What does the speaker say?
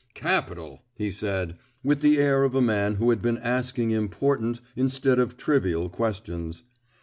"Capital!" he said, with the air of a man who had been asking important instead of trivial questions.